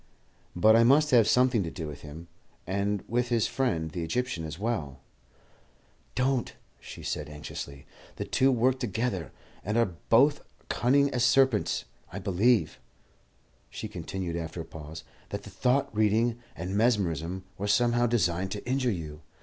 "But I must have something to do with him, and with his friend the Egyptian as well." "Don't," she said anxiously; "the two work together, and both are cunning as serpents. I believe," she continued, after a pause, "that the thought reading and mesmerism were somehow designed to injure you.